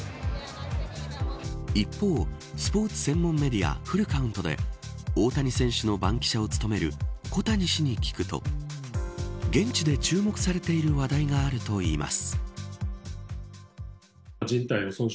一方、スポーツ専門メディアフルカウントで大谷選手の番記者を務める小谷氏に聞くと現地で注目されている話題があるといいます。